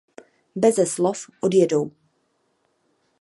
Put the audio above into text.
Beze slov odjedou.